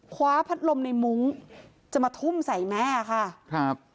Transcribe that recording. คว้าพัดลมในมุ้งจะมาทุ่มใส่แม่ค่ะครับ